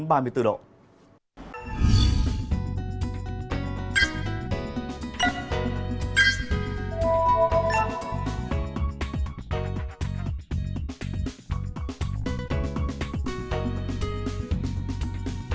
cảm ơn các bạn đã theo dõi và hẹn gặp lại